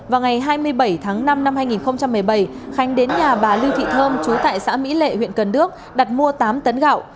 vào ngày hai mươi bảy tháng năm năm hai nghìn một mươi bảy khánh đến nhà bà lưu thị thơm chú tại xã mỹ lệ huyện cần đước đặt mua tám tấn gạo